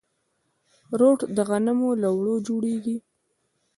روټ د غنمو له اوړو جوړیږي.